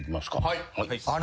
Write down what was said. はい。